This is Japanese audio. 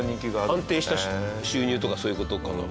安定した収入とかそういう事かな？